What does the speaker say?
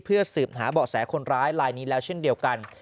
เพื่อสืบหาเบาะแสคนร้ายลายนี้แล้วเช่นเดียวกัน